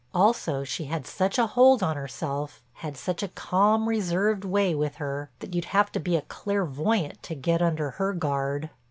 Also she had such a hold on herself, had such a calm, reserved way with her, that you'd have to be a clairvoyant to get under her guard.